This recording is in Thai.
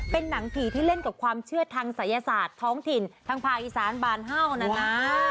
เป็นหนังผีที่เล่นกับความเชื่อทางศัยศาสตร์ท้องถิ่นทางภาคอีสานบานเห่านะนะ